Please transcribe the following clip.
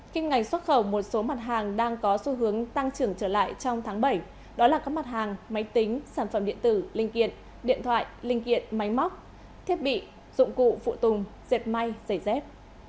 kim ngành xuất khẩu một số mặt hàng đang có xu hướng tăng trưởng trở lại trong tháng bảy đó là các mặt hàng máy tính sản phẩm điện tử linh kiện điện thoại linh kiện máy móc thiết bị dụng cụ phụ tùng dẹp may giày dép